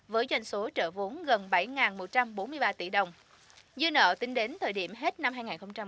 với doanh số trợ vốn gần bảy một trăm bốn mươi ba tỷ đồng dư nợ tính đến thời điểm hết năm hai nghìn một mươi sáu là hơn sáu trăm sáu mươi sáu tỷ đồng